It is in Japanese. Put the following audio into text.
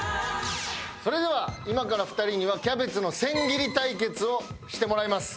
それでは今から２人にはキャベツの千切り対決をしてもらいます。